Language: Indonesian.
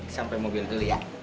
sampai mobil dulu ya